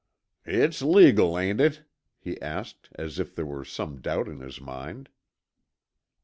"It's legal, ain't it?" he asked as if there were some doubt in his mind.